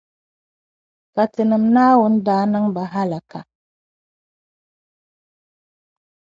Ka Tinim’ Naawuni daa niŋ ba halaka.